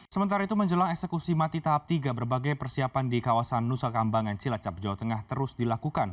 sementara itu menjelang eksekusi mati tahap tiga berbagai persiapan di kawasan nusa kambangan cilacap jawa tengah terus dilakukan